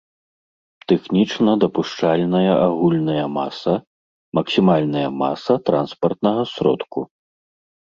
Тэхнічна дапушчальная агульная маса — максімальная маса транспартнага сродку